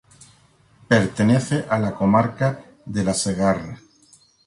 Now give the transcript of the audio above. Pertenece a la comarca de la Segarra.